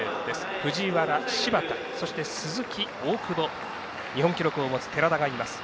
藤原、芝田、鈴木、大久保日本記録を持つ寺田がいます。